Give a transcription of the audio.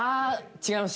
違います。